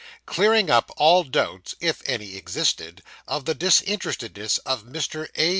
CLEARING UP ALL DOUBTS (IF ANY EXISTED) OF THE DISINTERESTEDNESS OF MR. A.